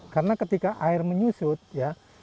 karena ketika air menyusut ya